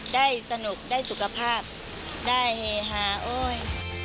ได้สนุกได้สุขภาพได้เฮฮาโอ๊ย